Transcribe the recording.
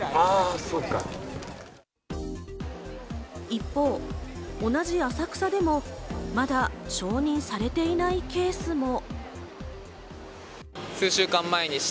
一方、同じ浅草でもまだ承認されていないケースも。